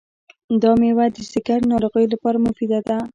دا مېوه د ځیګر ناروغیو لپاره مفیده ده.